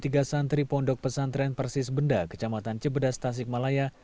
sementara itu dua puluh tiga santri pondok pesantren persis benda kecamatan cepeda tasikmalaya